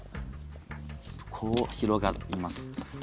こう広がってます。